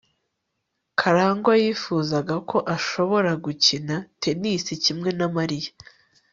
karangwa yifuzaga ko ashobora gukina tennis kimwe na mariya